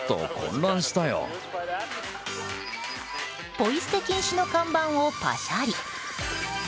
ポイ捨て禁止の看板をパシャリ。